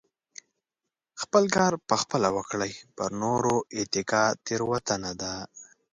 خپل کار په خپله وکړئ پر نورو اتکا تيروتنه ده .